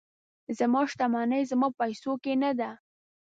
زما شتمني زما په پیسو کې نه ده.